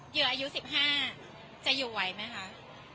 เหยื่ออายุ๑๕จะอยู่ไหวไหมคะ